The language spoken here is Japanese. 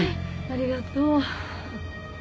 ありがとう。